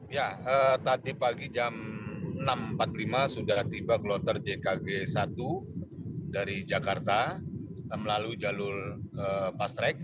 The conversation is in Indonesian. ya tadi pagi jam enam empat puluh lima sudah tiba kloter jkg satu dari jakarta melalui jalur pastrek